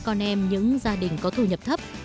con em những gia đình có thu nhập thấp